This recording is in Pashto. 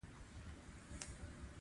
ته ګاډی چلولی شې؟